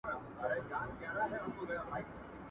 له بهرامه ښادي حرامه `